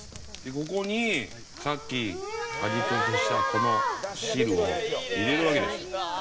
ここにカキ、味付けした汁を入れるわけです。